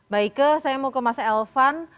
baike saya mau ke mas elvan